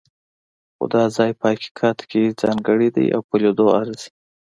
خو دا ځای په حقیقت کې ځانګړی دی او په لیدلو ارزي.